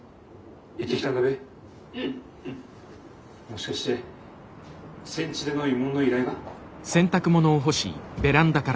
「もしかして戦地での慰問の依頼か？」。